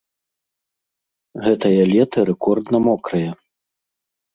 Гэтае лета рэкордна мокрае.